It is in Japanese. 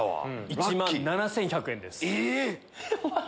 １万７１００円です。